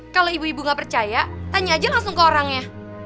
kalau ibu ibu nggak percaya tanya aja langsung ke orangnya